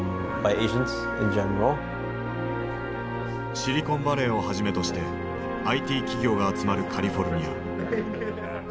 シリコンバレーをはじめとしてＩＴ企業が集まるカリフォルニア。